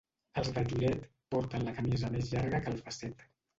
Els de Lloret porten la camisa més llarga que el fasset.